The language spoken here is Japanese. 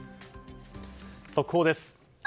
速報です。